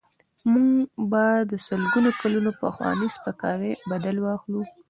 موږ به د سلګونو کلونو پخواني سپکاوي بدل واخلو.